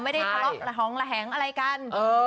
ไม่ได้ท้องแหลงอะไรกัน